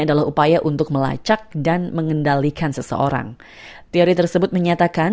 dan juga informasi yang tidak sesuai dengan kebenaran